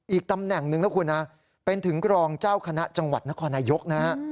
อีกตำแหน่งหนึ่งนะคุณนะเป็นถึงกรองเจ้าคณะจังหวัดนครนายกนะฮะ